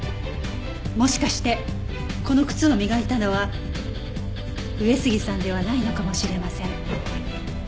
もしかしてこの靴を磨いたのは上杉さんではないのかもしれません。